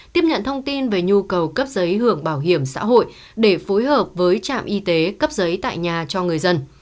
tiếp nhận thông tin về nhu cầu cấp giấy hưởng bảo hiểm xã hội để phối hợp với trạm y tế cấp giấy tại nhà cho người dân